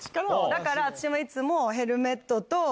だから私いつも。